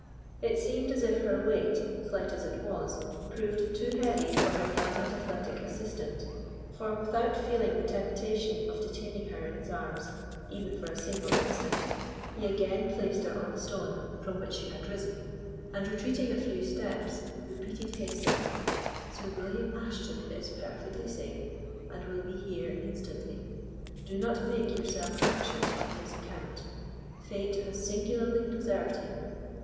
It seemed as if her weight, slight as it was, proved too heavy for her young and athletic assistant, for, without feeling the temptation of detaining her in his arms even for a single instant, he again placed her on the stone from which she had risen, and retreating a few steps, repeated hastily "Sir William Ashton is perfectly safe and will be here instantly. Do not make yourself anxious on his account: Fate has singularly preserved him.